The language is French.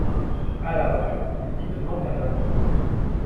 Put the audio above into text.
A la revue, il dit qu'il manque un homme.